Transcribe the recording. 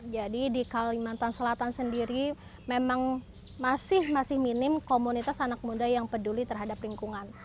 jadi di kalimantan selatan sendiri memang masih masih minim komunitas anak muda yang peduli terhadap lingkungan